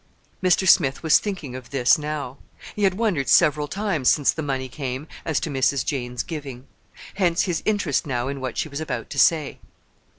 Mr. Smith was thinking of this now. He had wondered several times, since the money came, as to Mrs. Jane's giving. Hence his interest now in what she was about to say.